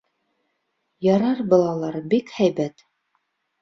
— Ярар, балалар, бик һәйбәт.